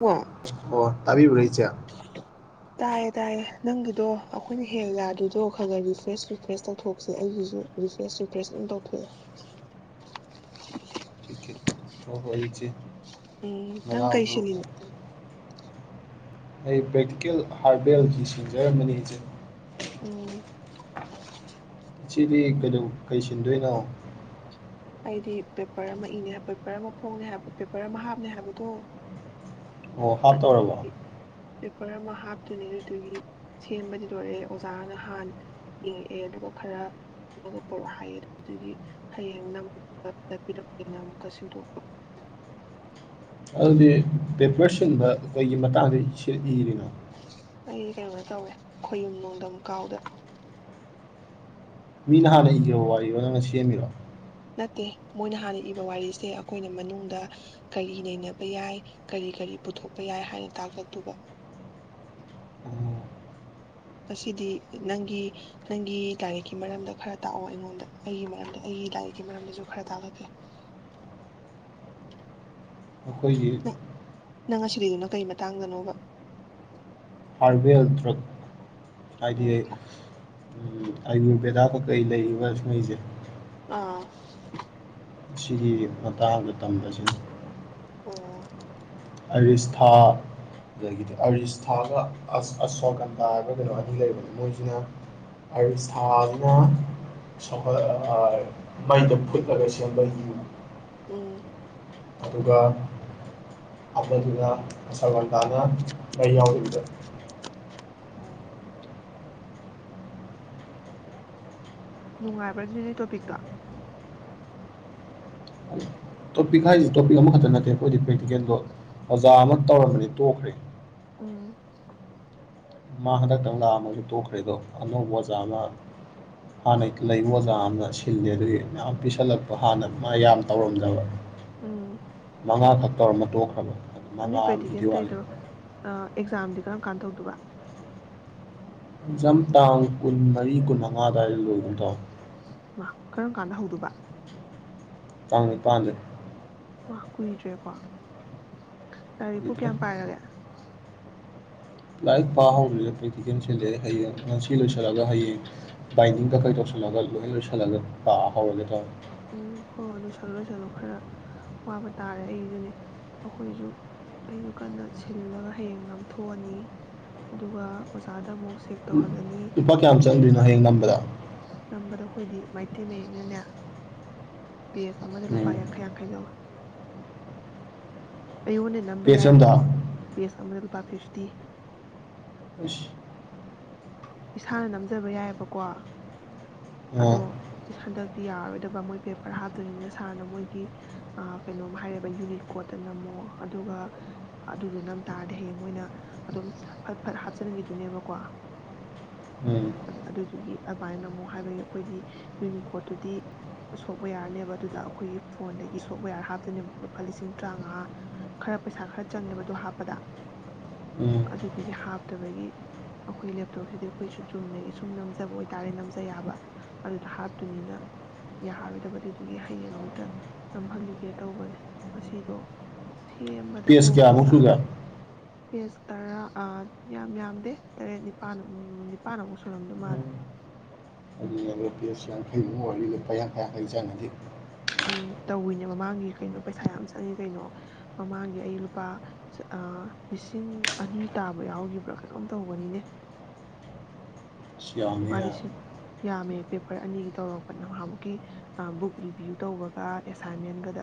ꯋꯥ ꯑꯣ ꯑꯕꯤꯕ꯭ꯔ ꯆ ꯇꯥꯏꯌꯦ ꯇꯥꯏꯌꯦ ꯅꯪꯒꯤꯗꯣ ꯑꯩꯈꯣꯏꯅ ꯍꯦꯛ ꯌꯥꯗ꯭ꯔꯤꯗꯣ ꯈꯔ ꯈ ꯔꯤꯐ꯭ꯔꯦꯁ ꯔꯤꯐ꯭ꯔꯦꯁ ꯇꯧꯊꯣꯛꯁꯦ ꯑꯩꯒꯤꯁꯨ ꯔꯤꯐ꯭ꯔꯦꯁ ꯔꯤꯐ꯭ꯔꯦꯁ ꯑꯗꯨꯝ ꯇꯧꯊꯣꯛꯑꯦ ꯑꯣꯀꯦ ꯑꯣꯏꯍꯣꯏꯁꯦ ꯎꯝ ꯅꯪ ꯀꯩ ꯃꯕ꯭ꯔ ꯁꯤꯜꯂꯤꯅꯣ ꯑꯩ ꯕꯦꯗꯤꯀꯦꯜ ꯍꯥꯔꯕꯦꯜꯒꯤ ꯁꯁꯤꯡꯖꯔꯝꯕꯅꯤ ꯏꯖ ꯎꯝ ꯏꯆꯦꯗꯤ ꯀꯩꯁꯤꯟꯗꯣꯏꯅꯣ ꯑꯩꯗꯤ ꯄꯦꯄꯔ ꯑꯃ ꯏꯅꯦ ꯄꯦꯄꯔ ꯑꯃ ꯐꯣꯡꯅꯦ ꯍꯥꯏꯕ ꯄꯦꯄꯔ ꯑꯃ ꯍꯥꯞꯅꯦ ꯍꯥꯏꯕꯗꯣ ꯑꯣ ꯍꯥꯞꯇꯣꯔꯕ ꯄꯦꯄꯔ ꯑꯃ ꯍꯥꯞꯇꯨꯅꯦ ꯑꯗꯨꯒꯤ ꯁꯦꯝꯕꯗꯤ ꯂꯣꯏꯔꯛꯑꯦ ꯑꯣꯖꯥꯅꯍꯥꯟ ꯌꯦꯡꯉꯛꯑꯦ ꯑꯗꯨꯒ ꯈꯔꯒ ꯄꯔꯛꯑꯣ ꯍꯥꯏꯌꯦ ꯑꯗꯨ ꯑꯗꯨꯒꯤ ꯍꯌꯦꯡ ꯅꯗ ꯄꯤꯔꯛꯒꯦꯅ ꯑꯃꯨꯛꯀ ꯁꯤꯟꯗꯣꯛꯄ ꯑꯗꯨꯗꯤ ꯄꯦꯄꯌꯔ ꯁꯤꯟꯕ ꯑꯩꯈꯣꯏꯒꯤ ꯃꯇꯥꯡꯗ ꯁꯤ ꯏꯔꯤꯉ ꯑꯩ ꯀꯩꯅꯣ ꯇꯧꯋꯦ ꯈꯌꯨꯝ ꯅꯣꯡꯗꯝ ꯀꯥꯎꯗ ꯃꯤꯅ ꯍꯥꯟꯅ ꯏꯈ꯭ꯔꯕ ꯋꯥꯔꯤꯔꯣ ꯅꯪꯅ ꯁꯦꯝꯕꯤꯔꯣ ꯅꯠꯇꯦ ꯃꯣꯏꯅ ꯍꯥꯟꯅ ꯏꯕ ꯋꯥꯔꯤꯁꯦ ꯑꯩꯈꯣꯏꯅ ꯃꯅꯨꯡꯗ ꯀꯔꯤ ꯅꯩꯅꯕ ꯌꯥꯏ ꯀꯔꯤ ꯀꯔꯤ ꯄꯨꯊꯣꯛꯄ ꯌꯥꯏ ꯍꯥꯏꯅ ꯇꯥꯛꯂꯗꯨꯕ ꯉꯁꯤꯗꯤ ꯅꯪꯒꯤ ꯅꯪꯒꯤ ꯂꯥꯏꯔꯤꯛꯀꯤ ꯃꯔꯝꯗ ꯈꯔ ꯇꯥꯛꯑꯣ ꯑꯩꯉꯣꯟꯗ ꯑꯩꯒꯤ ꯃꯔꯝꯗ ꯑꯩꯒꯤ ꯂꯥꯏꯔꯤꯛꯀꯤ ꯃꯔꯝꯗꯁꯨ ꯈꯔ ꯇꯥꯛꯂꯛꯀꯦ ꯑꯩꯈꯣꯏꯒꯤ ꯅꯪ ꯑꯁꯤꯗꯨꯅ ꯀꯩ ꯃꯇꯥꯡꯗꯅꯣꯕ ꯍꯔꯕꯤꯜ ꯗ꯭ꯔꯣꯛ ꯍꯥꯏꯥꯏꯗꯤ ꯎꯝ ꯑꯥꯏꯗꯤꯕꯦꯗꯔ ꯀꯩ ꯂꯩꯔꯤꯕ ꯁꯩꯁꯦ ꯑꯥ ꯁꯤꯒꯤ ꯃꯇꯥꯡꯗ ꯇꯝꯕꯁꯤꯅ ꯑꯣ ꯑꯔꯤꯁꯊꯥ ꯑꯗꯒꯤꯗꯤ ꯑꯔꯤꯁꯊꯥꯒ ꯑꯁꯣꯀꯟꯗꯥꯒ ꯀꯩꯅꯣ ꯑꯅꯤ ꯂꯩꯕꯅꯤ ꯃꯣꯏꯁꯤꯅ ꯑꯔꯤꯁꯊꯥꯁꯤꯅ ꯁ ꯃꯩꯗ ꯐꯨꯠꯂꯒ ꯁꯦꯝꯕ ꯌꯨ ꯎ ꯑꯗꯨꯒ ꯑꯃꯗꯨꯅ ꯑꯁꯒꯟꯇꯥꯅ ꯃꯩ ꯌꯥꯎꯔꯤꯕꯗ ꯑꯣ ꯅꯨꯡꯉꯥꯏꯕ꯭ꯔꯗꯨꯅꯤ ꯇꯣꯄꯤꯛꯇ ꯇꯣꯄꯤ ꯈꯥꯏꯁꯨ ꯇꯞꯄꯤ ꯑꯃ ꯃꯈꯇ ꯅꯠꯇꯦ ꯑꯩꯈꯣꯏꯗꯤ ꯄ꯭ꯔꯦꯛꯇꯤꯀꯦꯜꯗꯣ ꯑꯣꯖꯥ ꯑꯃ ꯇꯧꯔꯝꯕꯅꯤ ꯇꯣꯛꯈ꯭ꯔꯦ ꯎꯝ ꯃꯥ ꯍꯟꯗꯛꯇꯪ ꯂꯥꯛꯑꯝꯃꯁꯨ ꯇꯣꯛꯈ꯭ꯔꯦꯗꯣ ꯑꯅꯧꯕ ꯑꯣꯖꯥ ꯑꯃ ꯍꯥꯟꯅ ꯂꯩꯕ ꯑꯣꯖꯥ ꯑꯃꯅ ꯁꯤꯜꯂꯦ ꯑꯗꯨꯗꯒꯤ ꯃꯌꯥꯝ ꯄꯤꯁꯜꯂꯛꯄ ꯍꯥꯟꯅ ꯃꯥ ꯌꯥꯝ ꯇꯧꯔꯝꯗꯕ ꯎꯝ ꯃꯉꯥ ꯐ ꯀꯔꯃꯇ ꯐꯜ ꯣꯏ ꯄꯔꯤꯇꯦꯇ ꯏꯣ ꯑꯦꯛꯖꯥꯝ ꯀꯔꯝ ꯀꯥꯟ ꯇꯧꯗꯕ ꯝ ꯇꯥꯡ ꯀꯨꯟꯃꯔꯤ ꯀꯨꯟꯃꯉꯥ ꯑꯗꯨꯋꯥꯏꯗ ꯂꯣꯏꯗꯥꯎ ꯃꯥ ꯀꯔꯝ ꯀꯥꯟꯗ ꯍꯧꯗꯕ ꯆꯥꯡꯅꯤ ꯄꯥ ꯋꯥ ꯀꯨꯏꯗ꯭ꯔꯦꯀꯣ ꯂꯥꯏꯔꯤꯛꯄꯨ ꯂꯣꯏꯗ꯭ꯔꯦ ꯀꯌꯥꯝ ꯄꯥꯏꯔꯒꯦ ꯂꯥꯏꯔꯤꯛ ꯄꯥꯍꯧꯗꯗ ꯄꯤꯊꯤ ꯆꯦꯟꯁꯤꯜꯂꯦ ꯍꯌꯦꯡ ꯉꯁꯤ ꯂꯣꯏꯁꯤꯜꯂꯒ ꯍꯌꯦꯡ ꯎꯝ ꯕꯥꯏꯟꯗꯤꯡꯗ ꯀꯩ ꯇꯧꯁꯜꯂꯒ ꯂꯣꯏ ꯂꯣꯏꯁꯤꯜꯂꯒ ꯂꯥꯛ ꯐꯥꯎꯂꯦꯈꯥꯎ ꯎꯝ ꯍꯣꯏ ꯍꯣꯏ ꯂꯣꯏꯁꯤꯜꯂꯣ ꯂꯣꯏꯁꯤꯜꯂꯣ ꯈꯔ ꯋꯥꯕ ꯇꯥꯔꯦ ꯑꯩꯁꯨꯅꯦ ꯑꯩꯈꯣꯏꯁꯨ ꯑꯩꯁꯨ ꯀꯟꯅ ꯁꯤꯜꯂꯒ ꯍꯌꯦꯡ ꯅꯝꯊꯣꯛꯑꯅꯤ ꯑꯗꯨꯒ ꯑꯣꯖꯥꯗ ꯑꯃꯨꯛ ꯆꯦꯛ ꯇꯧꯍꯜꯂꯅꯤ ꯎ ꯂꯨꯄꯥ ꯀꯌꯥꯝ ꯆꯪꯗꯣꯏꯅꯣ ꯍꯌꯦꯡ ꯅꯝꯕꯗ ꯇꯝꯕꯗ ꯑꯩꯈꯣꯏꯗꯤ ꯃꯩꯇꯩ ꯃꯌꯦꯛꯅꯅꯦ ꯄꯦꯁ ꯑꯃꯗ ꯎꯝ ꯂꯨꯄꯥ ꯌꯥꯡꯈꯩ ꯀꯩꯗꯋꯦ ꯑꯩꯉꯣꯟꯗ ꯅꯝꯕ ꯄꯦꯖ ꯑꯝꯗ ꯌꯥꯏꯑꯕꯀꯣ ꯄꯦꯁ ꯑꯃꯗ ꯂꯨꯄꯥ ꯐꯤꯁ ꯇꯤ ꯈꯁꯤ ꯏꯁꯥꯅ ꯅꯝꯖꯕ ꯌꯥꯏꯑꯕꯀꯣ ꯑ ꯑꯗꯣ ꯍꯟꯗꯛꯇꯤ ꯌꯥꯔꯔꯣꯏꯗꯕ ꯃꯣꯏ ꯄꯦꯄꯔ ꯍꯥꯞꯇꯣꯏꯅꯤꯅ ꯁꯥꯔꯅ ꯃꯣꯏꯒꯤ ꯀꯩꯅꯣꯝ ꯍꯥꯏꯔꯦꯕ ꯌꯨꯅꯤꯛ ꯀꯣꯠꯇꯅ ꯑꯃꯨꯛ ꯑꯗꯨꯒ ꯑꯗꯨꯗ ꯅꯝ ꯇꯥꯔꯗꯤ ꯍꯌꯦꯡ ꯃꯣꯏꯅ ꯑꯗꯨꯝ ꯐꯠ ꯐꯠ ꯍꯥꯞꯆꯤꯟꯈꯤꯗꯨꯣꯏꯅꯦꯕꯀꯣ ꯎꯝ ꯑꯗꯨꯗꯨꯒꯤ ꯑꯗꯨꯃꯥꯏꯅ ꯑꯃꯨꯛ ꯍꯥꯏꯕꯒꯤ ꯑꯩꯈꯣꯏꯗꯤ ꯌꯨꯅꯤꯀꯣꯠꯇꯨꯗꯤ ꯁꯣꯞꯋꯦꯌꯥꯔꯅꯦꯕ ꯑꯗꯨꯗ ꯑꯩꯈꯣꯏꯒꯤ ꯐꯣꯟꯗꯒꯤ ꯁꯣꯞꯋꯦꯌꯥꯔ ꯍꯥꯞꯇꯣꯏꯅꯦꯕ ꯂꯨꯄꯥ ꯂꯤꯁꯤꯡ ꯇꯔꯥꯃꯉꯥ ꯈꯔ ꯄꯩꯁꯥ ꯈꯔ ꯆꯪꯉꯦꯕ ꯑꯗꯣ ꯍꯥꯞꯄꯗ ꯎꯝ ꯑꯗꯨꯗꯨꯒꯤ ꯍꯥꯞꯇꯕꯒꯤ ꯑꯩꯈꯣꯏ ꯂꯦꯞꯇꯣꯞꯁꯤꯗꯤ ꯑꯩꯈꯣꯏꯁꯨ ꯆꯨꯝꯅꯒꯤ ꯁꯨꯝ ꯅꯝꯖꯕ ꯑꯣꯏꯇꯥꯔꯦ ꯅꯝꯖ ꯌꯥꯕ ꯑꯗꯨꯗ ꯍꯥꯞꯇꯨꯅꯤꯅ ꯌꯥꯔꯣꯏꯗꯕ ꯑꯗꯨꯗꯨꯒꯤ ꯍꯌꯦꯡ ꯑꯝꯇ ꯅꯝꯍꯜꯂꯨꯒꯦ ꯇꯧꯕꯅꯦ ꯃꯁꯤꯗꯣ ꯁꯦꯝꯕꯗ ꯄꯦꯖ ꯀꯣꯛꯁꯤꯦ ꯀꯌꯥꯃꯨꯛ ꯁꯥ ꯁꯨꯒꯦ ꯄꯦꯁ ꯇꯔꯥ ꯌꯥꯝ ꯌꯥꯝꯗꯦ ꯇꯔꯦꯠ ꯅꯤꯄꯥꯜ ꯅꯤꯄꯥꯜ ꯑꯃꯨꯛ ꯁꯨꯔꯝꯗꯧ ꯃꯥꯜꯂꯦ ꯄꯌꯥꯁ ꯂꯡꯈꯩꯉꯂꯤ ꯂ ꯐꯩ ꯑꯈꯩ ꯑꯈꯥꯏ ꯆꯥꯟꯗꯤꯦ ꯎꯝ ꯇꯧꯋꯤꯅꯦ ꯃꯃꯥꯡꯒꯤ ꯀꯩꯅꯣ ꯄꯩꯁꯥ ꯌꯥꯝ ꯆꯪꯉꯤ ꯀꯩꯅꯣ ꯃꯃꯥꯡꯒꯤ ꯑꯩ ꯂꯨꯄꯥ ꯂꯤꯁꯤꯡ ꯑꯅꯤ ꯇꯥꯕ ꯌꯥꯎꯈꯤꯕ꯭ꯔꯥ ꯀꯩꯅꯣꯝ ꯇꯧꯒꯅꯤꯅꯦ ꯑꯁ ꯌꯥꯝꯃꯤꯍꯦ ꯄꯥꯂꯤꯁ ꯌꯥꯃꯦ ꯄꯦꯄꯔ ꯑꯅꯤꯒꯤ ꯇꯧꯔꯛꯄ ꯅꯍꯥꯕꯨꯛꯀꯤ ꯕꯨꯛ ꯔꯤꯕ꯭ꯌꯨ ꯇꯧꯕꯒ ꯑꯦꯁꯥꯏꯟꯃꯦꯟꯒꯗ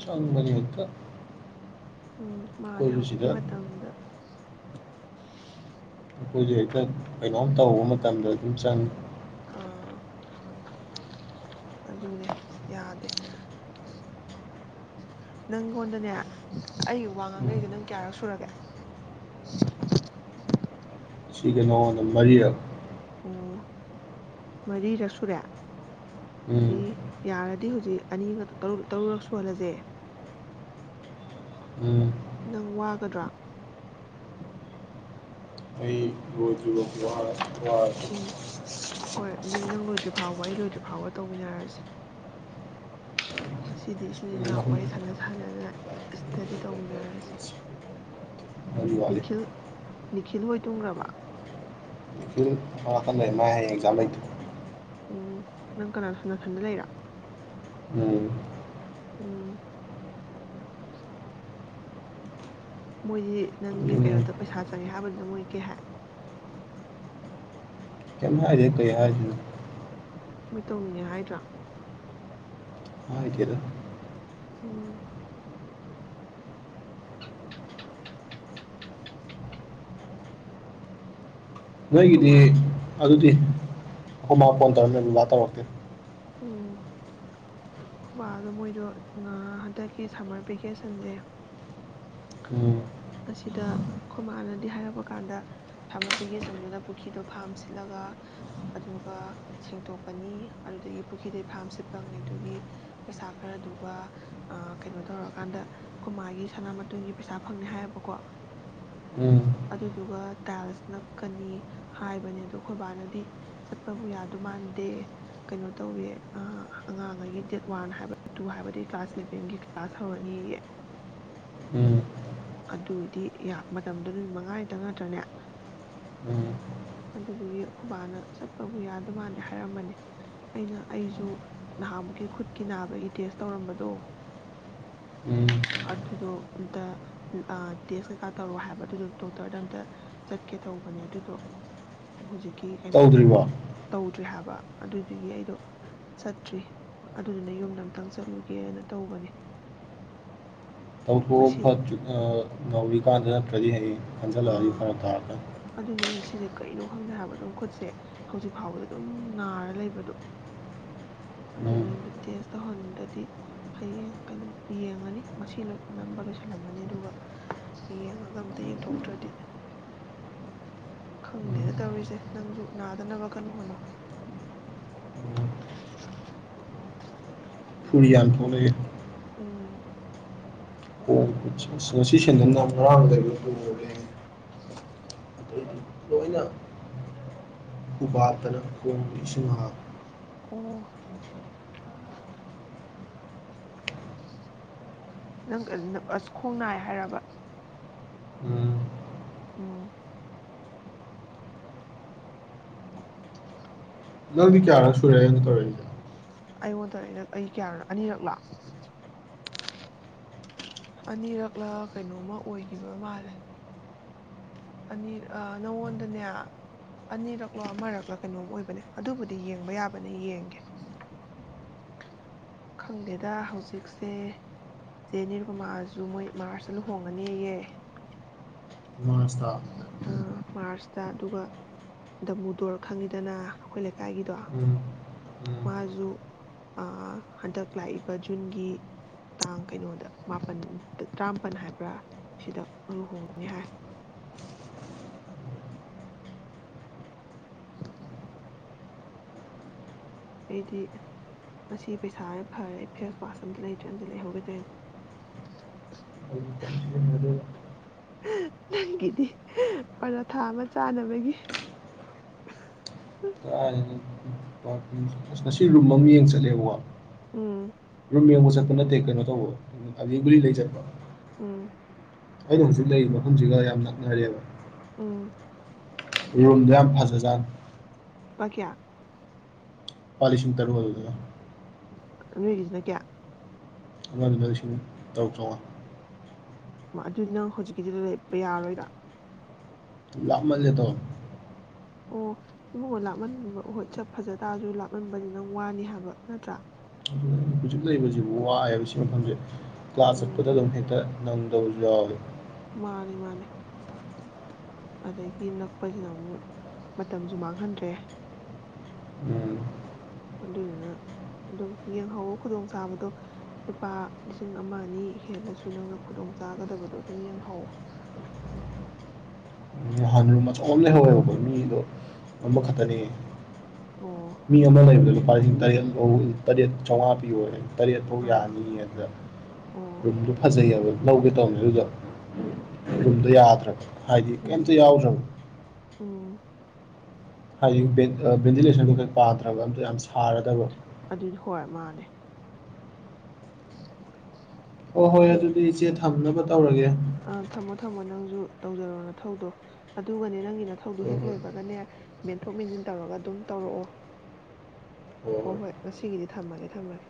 ꯆꯪ ꯃꯅꯤꯛꯇ ꯎꯝ ꯃꯥꯅꯦ ꯍꯧꯖꯤꯛꯀꯤ ꯃꯇꯝꯗ ꯑꯩꯈꯣꯏꯁꯦ ꯍꯦꯛꯇ ꯀꯩꯅꯣꯝ ꯇꯧꯕ ꯃꯇꯝꯗ ꯑꯗꯨꯝ ꯆꯪꯉꯤ ꯑꯥ ꯑꯗꯨꯅꯦ ꯌꯥꯗꯦ ꯅꯪꯉꯣꯟꯗꯅꯦ ꯑꯩꯒꯤ ꯋꯥ ꯎꯝ ꯉꯥꯡꯅꯔꯤꯁꯦ ꯅꯪ ꯀꯌꯥꯔꯛ ꯁꯨꯔꯒꯦ ꯁꯤ ꯀꯩꯅꯣꯗ ꯃ ꯑꯣ ꯃꯔꯤꯔꯛ ꯁꯨꯔꯦ ꯃꯔꯤ ꯎꯝ ꯌꯥꯔꯗꯤ ꯍꯧꯖꯤꯛ ꯑꯅꯤꯒ ꯇꯔꯨꯨꯔꯛ ꯁꯨꯍꯜꯂꯁꯦ ꯎꯝ ꯅꯪ ꯋꯥꯒꯗ꯭ꯔꯥ ꯑꯩ ꯂꯣꯏꯗ꯭ꯔꯤꯕꯧꯗꯤ ꯋꯥꯔꯦ ꯋꯥꯔꯁꯨ ꯎꯝ ꯍꯣꯏ ꯑꯗꯨꯗꯤ ꯅꯪ ꯂꯣꯏꯗ꯭ꯔꯤ ꯐꯥꯎꯕ ꯑꯩ ꯂꯣꯏꯗ꯭ꯔꯤ ꯐꯥꯎꯕ ꯇꯧꯃꯤꯟꯅꯔꯁꯤ ꯉꯗꯤ ꯁ꯭ꯀꯨꯜ ꯁꯤꯅꯤꯅ ꯑꯍꯨꯝ ꯋꯥꯔꯤ ꯁꯥꯟꯅ ꯁꯥꯟꯅꯅ ꯏꯁꯇꯗꯤ ꯇꯧꯃꯤꯟꯅꯔꯁꯤ ꯃꯔꯤ ꯋꯥꯠꯂꯤ ꯅꯤꯈꯤꯜ ꯅꯤꯈꯤꯜ ꯍꯣꯏ ꯇꯨꯡꯈ꯭ꯔꯕ ꯅꯤꯈꯤꯜ ꯑꯃꯅꯥꯀꯟ ꯂꯩ ꯃꯥ ꯍꯌꯦ ꯑꯦꯛꯖꯥꯝ ꯂꯩꯇ ꯎꯝ ꯅꯪ ꯀꯅꯥ ꯁꯅꯥꯊꯟꯗ ꯂꯩꯔꯥ ꯎꯝ ꯎꯝ ꯃꯣꯏꯗꯤ ꯅꯪꯒꯤ ꯇꯨꯝꯅꯤꯡꯉꯦ ꯀꯩꯅꯣꯗ ꯄꯩꯁꯥ ꯆꯪꯉꯦ ꯍꯥꯏꯕꯗꯨꯗ ꯃꯣꯏ ꯀꯩ ꯍꯥꯏ ꯀꯃꯦ ꯍꯥꯏꯖꯤꯦ ꯀꯩꯖ ꯃꯣꯏ ꯇꯧꯅꯤꯡꯉꯦ ꯍꯥꯏꯗ꯭ꯔꯥ ꯍꯥꯏꯗ ꯎꯝ [inaudible] ꯑꯩꯈꯣꯏ ꯍꯒꯗꯤ ꯃꯥ ꯑꯗꯨꯗꯤ ꯑꯩꯈꯣꯏ ꯃꯥ ꯐꯣꯟ ꯇꯧꯔꯝꯃꯦ ꯕꯥ ꯇꯧꯔꯛꯇꯦ ꯎꯝ ꯈꯨꯃꯥꯗꯣ ꯃꯣꯏꯗꯣ ꯍꯟꯗꯛꯀꯤ ꯁꯝꯃꯔ ꯚꯦꯀꯦꯁꯟꯁꯦ ꯎꯝ ꯑꯁꯤꯗ ꯈꯨꯃꯥꯅꯗꯤ ꯍꯥꯏꯔꯛꯄ ꯀꯥꯟꯗ ꯁꯝꯃꯔ ꯚꯦꯀꯦꯁꯟꯗꯨꯗ ꯄꯨꯈ꯭ꯔꯤꯗꯣ ꯐꯥꯝ ꯁꯤꯠꯂꯒ ꯑꯗꯨꯒ ꯁꯦꯡꯇꯣꯛꯀꯅꯤ ꯑꯗꯨꯗꯒꯤ ꯄꯨ꯭ꯔꯤꯗꯩ ꯐꯥꯝ ꯁꯤꯠꯄ ꯉꯩꯗꯨꯒꯤ ꯄꯩꯁꯥ ꯈꯔꯗꯨꯒ ꯀꯩꯅꯣ ꯇꯧꯔꯀꯥꯟꯗ ꯈꯨꯣꯏ ꯃꯥꯥꯒꯤ ꯁꯅꯥꯃꯣꯟꯒꯤ ꯄꯩꯁꯥ ꯐꯪꯅꯤ ꯍꯥꯏꯌꯦꯕꯀꯣ ꯎꯝ ꯑꯗꯨꯗꯨꯒ ꯇꯥꯏꯜꯁ ꯅꯛꯀꯅꯤ ꯍꯥꯏꯕꯅꯦ ꯑꯗꯣ ꯑꯩꯣꯏꯕꯥꯅꯗꯤ ꯆꯠꯄꯕꯨ ꯌꯥꯗ ꯃꯥꯟꯅꯗꯦ ꯀꯩꯅꯣ ꯇꯧꯋꯤ ꯑꯉꯥꯡꯉꯩꯒꯤ ꯗꯦꯠ ꯋꯥꯟ ꯍꯥꯏꯕ ꯇꯨ ꯍꯥꯏꯕꯗꯒꯤ ꯀ꯭ꯂꯥꯁ ꯏꯂꯚꯦꯟꯒꯤ ꯀ꯭ꯂꯥꯁ ꯍꯧꯔꯅꯤꯌꯦ ꯎꯝ ꯑꯗꯨꯗꯤ ꯃꯇꯝꯗꯣ ꯅꯨꯃꯤꯠ ꯃꯉꯥꯅꯤꯇꯪ ꯅꯠꯇ꯭ꯔꯅꯦ ꯎꯝ ꯑꯗꯨꯗꯨꯗꯤ ꯈꯨꯕꯥꯅ ꯆꯠꯄꯕꯨ ꯌꯥꯗꯃꯥꯟꯂ ꯍꯥꯏꯔꯝꯕꯅꯤ ꯑꯩꯅ ꯑꯩꯁꯨ ꯅꯍꯥꯃꯨꯛꯀꯤ ꯈꯨꯠꯀꯤ ꯅꯥꯕꯒꯤ ꯇꯦꯁ ꯇꯧꯔꯝꯕꯗꯣ ꯎꯝ ꯑꯗꯨꯗꯣ ꯑꯝꯇ ꯇꯦꯁ ꯀꯩꯀꯥ ꯇꯧꯔꯣ ꯍꯥꯏꯕ ꯑꯗꯨꯗ ꯗꯣꯛꯇꯔꯗ ꯑꯝꯇ ꯆꯠꯀꯦ ꯇꯧꯕꯅꯦ ꯑꯗꯨꯗꯣ ꯍꯧꯖꯤꯛꯀꯤ ꯀꯩꯅꯣꯗꯣ ꯇꯧꯗ꯭ꯔꯤꯕꯣ ꯇꯧꯗ ꯠꯇ꯭ꯔꯤ ꯍꯥꯏꯕ ꯑꯗꯨꯏꯗꯨꯒꯤ ꯑꯩꯗꯣ ꯆꯠꯇ꯭ꯔꯤ ꯑꯗꯨꯗꯨꯅ ꯌꯨꯝꯗ ꯑꯝꯛꯇꯪ ꯆꯠꯂꯨꯒꯦꯅ ꯇꯧꯕꯅꯤ ꯇ ꯊ ꯐ ꯑ ꯧꯔꯤ ꯀꯥ ꯑꯗꯨ ꯆꯔꯤ ꯍꯥꯏ ꯂ ꯑꯥ ꯐꯔ ꯊ ꯑꯗꯨꯅꯦ ꯑꯩꯅ ꯁꯤꯁꯦ ꯀꯩꯅꯣ ꯈꯪꯗꯦ ꯍꯥꯏꯕ ꯑꯗꯨꯝ ꯈꯨꯠꯁꯦ ꯍꯧꯖꯤꯛ ꯐꯥꯎꯕꯗ ꯑꯗꯨꯝ ꯅꯥꯔ ꯂꯩꯕꯗꯣ ꯑꯗꯨꯗꯨꯗ ꯇꯦꯁ ꯇꯧꯍꯟꯗꯗꯤ ꯍꯌꯦꯡ ꯀꯩꯅꯣ ꯌꯦꯡꯉꯅꯤ ꯉꯁꯤ ꯅꯝꯕ ꯂꯣꯏꯁꯤꯜꯂꯝꯃꯅꯤ ꯑꯗꯨꯒ ꯌꯦꯡꯉꯒ ꯑꯝꯇ ꯊꯣꯛꯇ꯭ꯔꯗꯤ ꯈꯪꯗꯦꯅ ꯎꯝ ꯇꯧꯔꯤꯁꯦ ꯅꯪꯁꯨ ꯅꯥꯗꯅꯕ ꯀꯩꯅꯣ ꯍꯣꯅꯣ ꯐꯨꯔꯤ ꯌꯥꯅ ꯊꯅꯒꯦ ꯎꯝ ꯑꯣ ꯁꯤ ꯁꯟꯗꯔ ꯂꯣꯏꯅ ꯎꯄꯥꯠꯇꯅ ꯈꯣꯡꯕ ꯏꯁꯤꯡ ꯍꯥꯥꯎ ꯑꯣ ꯅꯪ ꯑꯁ ꯈꯣꯡ ꯅꯥꯏ ꯍꯥꯏꯔꯕ ꯎꯝ ꯑꯣ ꯅꯪꯗꯤ ꯀꯌꯥ ꯁꯔꯦ ꯇꯧꯔ ꯑꯩꯉꯣꯟꯗꯧ ꯑꯩ ꯀꯌꯥꯣꯅꯣ ꯑꯅꯤꯔꯛꯂꯥ ꯑꯅꯤꯔꯛꯂ ꯀꯩꯅꯣꯝꯃ ꯑꯣꯏꯈꯤꯕ ꯃꯥꯜꯂꯦ ꯑꯅꯤ ꯅꯉꯣꯟꯗꯅꯦ ꯑꯅꯤꯔꯛꯂꯣ ꯑꯃꯔꯛꯂꯣ ꯀꯩꯅꯣꯝ ꯑꯣꯏꯕꯅꯦ ꯑꯗꯨꯕꯨꯗꯤ ꯌꯦꯡꯕ ꯌꯥꯕꯅꯦ ꯌꯦꯡꯒꯦ ꯈꯪꯗꯦꯗ ꯍꯧꯖꯤꯛꯁꯦ ꯆꯦꯅꯤꯔꯨꯄ ꯃꯥꯑꯁꯨ ꯃꯣꯏ ꯃꯥꯔꯁꯇ ꯂꯨꯍꯣꯡꯉꯅꯤꯌꯦ ꯁꯇꯥ ꯃꯥꯔꯁꯇ ꯑꯗꯨꯒ ꯗꯃꯨꯗꯣꯔ ꯈꯪꯉꯤꯗꯅ ꯑꯩꯈꯣꯏ ꯂꯩꯀꯥꯏꯒꯤꯗꯣ ꯎꯝ ꯎꯝ ꯃꯥꯖ ꯍꯟꯗꯛ ꯂꯥꯛꯏꯕ ꯖꯨꯟꯒꯤ ꯇꯥꯡ ꯀꯩꯅꯣꯗ ꯃꯥꯄꯜꯗ ꯇꯔꯥꯃꯥꯄꯜ ꯍꯥꯏꯕ꯭ꯔꯥ ꯁꯤꯗ ꯂꯨꯍꯣꯡꯉꯅꯤ ꯍꯥꯏ ꯑꯩꯗꯤ ꯃꯁꯤ ꯄꯩꯁꯥ ꯐꯔꯦ ꯑꯩ ꯐꯦꯁ ꯋꯥꯁ ꯑꯝꯇ ꯂꯩꯇ꯭ꯔꯦ ꯑꯝꯇ ꯂꯩꯍꯧꯒꯗꯣꯏꯅꯦ ꯑꯩꯗꯤ ꯀꯩꯝ ꯁꯤꯖꯤꯟꯅꯗꯦꯗ ꯅꯪꯒꯤꯗꯤ ꯑꯣꯖꯥ ꯊꯥ ꯑꯃ ꯆꯥꯅꯕꯒꯤ ꯑ ꯉꯁꯤ ꯔꯨꯝ ꯑꯃ ꯌꯦꯡ ꯆꯠꯂꯦꯕ ꯎꯝ ꯔꯣꯝꯃꯤꯌ ꯃꯣꯁꯛ ꯑꯗꯨ ꯅꯠꯇꯦ ꯀꯩꯅꯣ ꯇꯧꯕ ꯑ ꯒꯂꯤ ꯂꯩ ꯆꯠꯄ ꯎꯝ ꯑꯩꯅ ꯍꯧꯖꯤꯛ ꯂꯩꯔꯤꯕ ꯃꯐꯝꯁꯤꯒ ꯌꯥꯝ ꯅꯛꯅꯔꯦꯕ ꯑꯣ ꯑꯩꯌꯣꯟꯗ ꯌꯥꯝ ꯐꯖꯖꯥꯥꯟ ꯀꯄꯥ ꯀꯌꯥ ꯄꯣꯂꯤꯤꯁꯤꯤꯡ ꯇꯔꯨ ꯑꯣꯏ ꯑꯗꯨ ꯑꯗꯨꯒꯤꯁꯤꯅ ꯀꯌꯥ ꯉꯅꯤꯁꯤ ꯇꯧ ꯆꯣꯉ ꯑꯗꯨꯏ ꯅꯪ ꯍꯧꯖꯤꯛꯀꯤꯗꯨꯗ ꯂꯩꯔꯄ ꯌꯥꯔꯣꯏꯗꯥ ꯂꯞ ꯃꯜꯂꯦꯗꯣ ꯑꯣ ꯏꯃꯨꯡꯅ ꯂꯥꯞꯃꯟꯕꯠ ꯁ ꯐꯖ ꯇꯥꯔꯁꯨ ꯂꯥꯞꯃꯟꯕꯗꯤ ꯅꯪ ꯋꯥꯅꯤ ꯍꯥꯏꯕ ꯅꯠꯇ꯭ꯔꯥ ꯑꯗꯨꯅ ꯍꯧꯖꯤꯛ ꯂꯩꯕꯁꯤꯕꯨ ꯋꯥꯑꯕ ꯁꯤ ꯃꯐꯝꯁꯦ ꯀ꯭ꯂꯥꯁ ꯆꯠꯄꯗ ꯎꯝ ꯑꯗꯨꯝ ꯍꯦꯛꯇ ꯅꯪ ꯑꯗꯨ ꯌꯥꯏ ꯃꯥꯅꯤ ꯃꯥꯅꯦ ꯑꯗꯒꯤ ꯅꯛꯄꯁꯤꯅ ꯑꯃꯨꯛ ꯃꯇꯝꯁꯨ ꯃꯥꯡꯍꯟꯗ꯭ꯔꯦ ꯑꯗꯨꯗꯨꯅ ꯑꯗꯨꯝ ꯌꯦꯡꯍꯧꯋ ꯈꯨꯗꯣꯡ ꯆꯥꯕꯗꯣ ꯂꯨꯄꯥ ꯂꯤꯁꯤꯡ ꯑꯃ ꯑꯅꯤ ꯍꯦꯜꯂꯁꯨ ꯅꯪꯅ ꯈꯨꯗꯣꯡ ꯆꯥꯒꯗꯕꯗꯣ ꯑꯗꯨꯝ ꯌꯦꯡꯍꯧꯋ ꯎꯝ ꯁꯝ ꯂꯩꯍꯧꯋꯦꯕꯀꯣ ꯃꯤꯗꯣ ꯎꯝ ꯑꯃꯈꯛꯇꯅꯤ ꯑꯣ ꯃꯤ ꯑꯃ ꯂꯩꯕ ꯇ ꯇꯔꯠ ꯆꯉ ꯄꯤ ꯑꯣꯏ ꯇꯔꯦꯠꯐꯥꯎ ꯑꯥ ꯌꯥꯅꯤ ꯑꯗꯨꯗ ꯑꯣ ꯔꯨꯝꯗꯨ ꯐꯖꯩꯑꯕ ꯂꯧꯒꯦ ꯇꯧꯕꯁ ꯑꯗꯨꯗꯣ ꯌꯨꯝꯗ ꯌꯥꯗ꯭ꯔ ꯍꯥꯏꯗꯤ ꯀꯩꯝꯇ ꯌꯥꯎꯗ꯭ꯔ ꯑꯣ ꯍꯥꯏꯗꯤ ꯚꯦꯟꯇꯤꯂꯦꯁꯟꯗꯨꯣ ꯈꯔ ꯄꯥꯗ꯭ꯔꯕ ꯑꯝꯇ ꯌꯥꯝ ꯁꯥꯔꯗꯕ ꯑꯗꯨꯗꯤ ꯍꯣꯏ ꯃꯥꯅꯦ ꯑꯣ ꯍꯣꯏ ꯌꯥ ꯑꯗꯨ ꯑꯗꯨꯗꯤ ꯏꯆꯦ ꯊ ꯊꯝꯅꯕ ꯇꯧꯔꯒꯦ ꯑꯥ ꯊꯝꯃꯣ ꯊꯝꯃꯣ ꯅꯪꯁꯨ ꯇꯧꯖꯔꯣ ꯅꯊꯧꯗꯣ ꯑꯗꯨꯒꯅꯦ ꯅꯪꯒꯤ ꯅ ꯊꯧꯗꯨ ꯍꯣꯏ ꯍꯦꯛ ꯍꯣꯏ ꯂꯣꯏꯕꯒꯅꯦ ꯃꯦꯟꯊꯣꯛ ꯃꯦꯟꯁꯤꯟ ꯇꯧꯔꯒ ꯑꯗꯨꯝ ꯇꯧꯔꯛꯑꯣ ꯍꯣꯏ ꯍꯣꯏ ꯉꯁꯤꯒꯤꯗꯤ ꯊꯝꯃꯒꯦ ꯊꯝꯃꯒꯦ